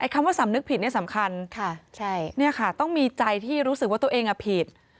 คำว่าสำนึกผิดเนี่ยสำคัญต้องมีใจที่รู้สึกว่าตัวเองผิด